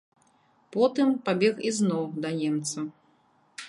Потым пабег ізноў да немца.